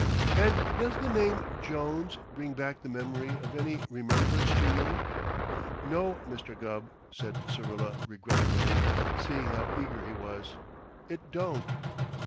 "And does the name Jones bring back the memory of any rememberance to you?" "No, Mr. Gubb," said Syrilla regretfully, seeing how eager he was. "It don't."